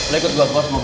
lo ikut gue kemana